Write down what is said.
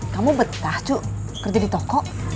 kamu betah cuk kerja di toko